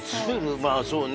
まあそうね